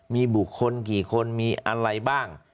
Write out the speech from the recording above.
มีบุคคลกี่คนมีอะไรบ้าง